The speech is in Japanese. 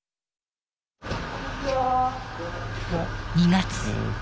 ２月。